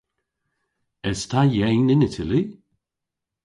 Es ta yeyn yn Itali?